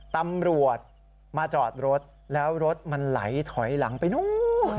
ตำรวจมาจอดรถแล้วรถมันไหลถอยหลังไปนู้น